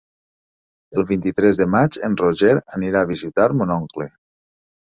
El vint-i-tres de maig en Roger anirà a visitar mon oncle.